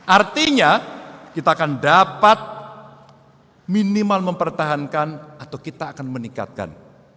artinya kita akan dapat minimal mempertahankan atau kita akan meningkatkan